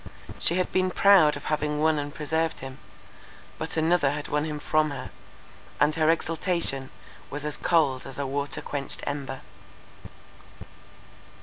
She had been proud of having won and preserved him—but another had won him from her, and her exultation was as cold as a water quenched ember.